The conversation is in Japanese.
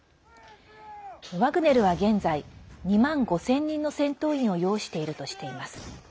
ワグネルは現在２万５０００人の戦闘員を擁しているとしています。